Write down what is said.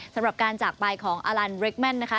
สำหรับการจากไปของอะลันด์บริกเม้นน์